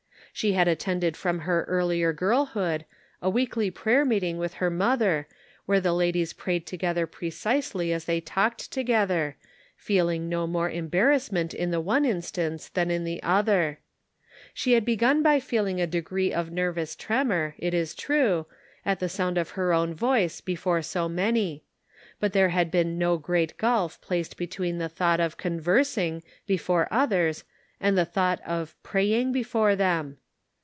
She had attended from her earlier girlhood a weekly prayer meeting with her mother where the ladies prayed together precisely as they talked together, feeling no more embarrassment in the one instance than in the other. She had begun by feeling a degree of nervous tremor, it is true, at the sound of her own voice before so many; but there had been no great gulf 192 The Pocket Measure. placed between the thought of conversing before others and the thought of praying before them.